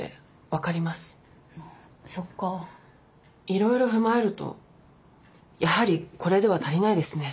いろいろ踏まえるとやはりこれでは足りないですね。